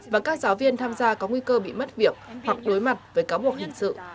và các giáo viên tham gia có nguy cơ bị mất việc hoặc đối mặt với cáo buộc hình sự